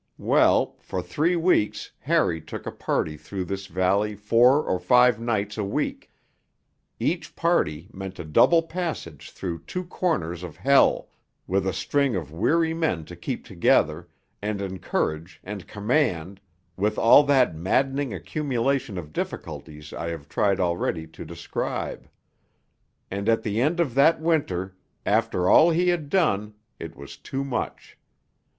Well, for three weeks Harry took a party through this valley four or five nights a week.... Each party meant a double passage through two corners of hell, with a string of weary men to keep together, and encourage and command, with all that maddening accumulation of difficulties I have tried already to describe ... and at the end of that winter, after all he had done, it was too much.